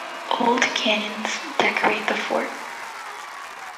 Old cannons decorate the fort.